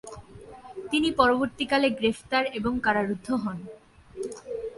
তিনি পরবর্তীকালে গ্রেফতার ও কারারুদ্ধ হন।